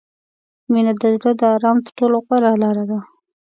• مینه د زړه د آرام تر ټولو غوره لاره ده.